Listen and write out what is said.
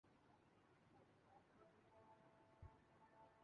دیگر استحصال زدہ طبقات کی حکومت لینن کی سربراہی میں